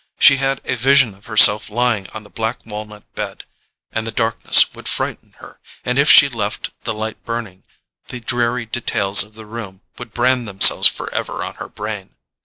She had a vision of herself lying on the black walnut bed—and the darkness would frighten her, and if she left the light burning the dreary details of the room would brand themselves forever on her brain.